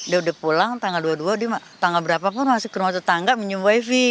dia udah pulang tanggal dua puluh dua tanggal berapa pun masih di rumah tetangga menyembah evi